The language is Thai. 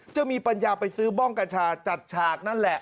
จะมีปัญญาไปซื้อบ้องกัญชาจัดฉากนั่นแหละ